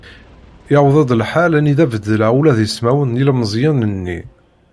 Iwweḍ lḥal anida beddleɣ ula d ismawen n yilmeẓyen-nni.